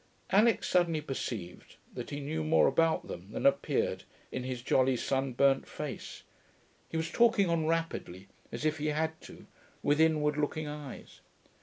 Alix suddenly perceived that he knew more about them than appeared in his jolly, sunburnt face; he was talking on rapidly, as if he had to, with inward looking eyes.